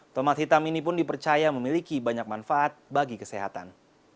tomat hitam ini pun dipercaya memiliki banyak manfaat bagi kesehatan